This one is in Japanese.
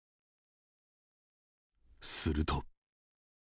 すると。